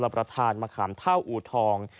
ประธานมะขามเท่าอูทอง